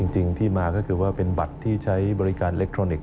จริงที่มาก็คือว่าเป็นบัตรที่ใช้บริการอิเล็กทรอนิกส